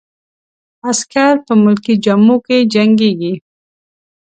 عسکر په ملکي جامو کې جنګیږي.